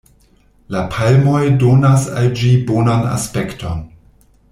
La palmoj donas al ĝi bonan aspekton.